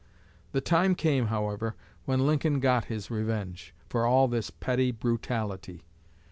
The time came, however, when Lincoln got his revenge for all this petty brutality.